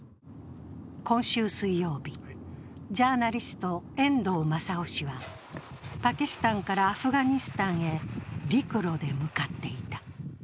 今週水曜日、ジャーナリスト、遠藤正雄氏はパキスタンからアフガニスタンへ陸路で向かっていた。